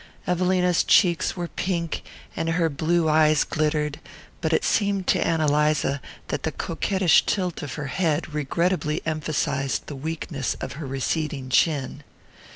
Evelina's cheeks were pink, and her blue eyes glittered; but it seemed to Ann Eliza that the coquettish tilt of her head regrettably emphasized the weakness of her receding chin.